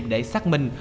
để xác minh